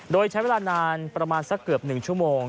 โดยใช้เวลานานประมาณสักเกือบ๑ชั่วโมง